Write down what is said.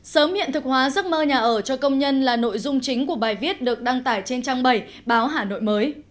sớm hiện thực hóa giấc mơ nhà ở cho công nhân là nội dung chính của bài viết được đăng tải trên trang bảy báo hà nội mới